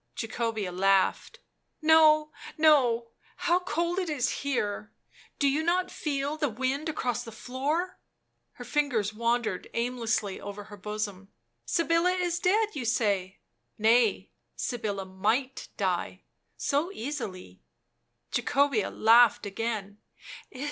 Jacobea laughed. "No, no — how cold it is here ; do you not feel the wind across the floor?" Her fingers wandered aimless over her bosom. " Sybilla is dead, you say?" " Nay — Sybilla might die — so easily." Jacobea laughed again.